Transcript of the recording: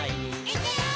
「いくよー！」